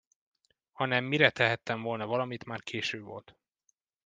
Hanem mire tehettem volna valamit, már késő volt.